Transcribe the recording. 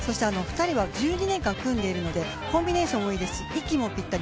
１２年間、組んでいるのでコンビネーションもいいですし息もぴったり。